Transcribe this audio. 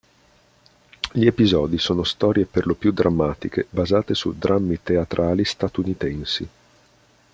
Gli episodi sono storie perlopiù drammatiche basate su drammi teatrali statunitensi.